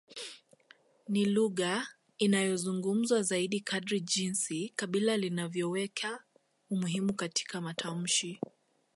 Ni lugha inayozungumzwa zaidi kadri jinsi kabila linavyoweka umuhimu katika matamshi